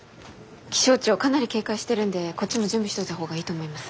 気象庁かなり警戒してるんでこっちも準備しといた方がいいと思います。